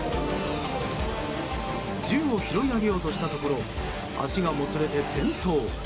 銃を拾い上げようとしたところ足がもつれて転倒。